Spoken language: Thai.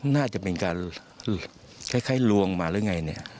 น่าจะเป็นการคล้ายลวงมาหรือไงเนี่ย